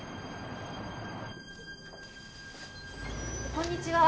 こんにちは。